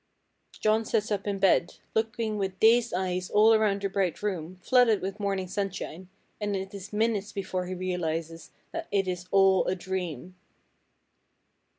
"John sits up in bed, looking with dazed eyes all around the bright room, flooded with morning sunshine, and it is minutes before he realizes that it is all a dream!"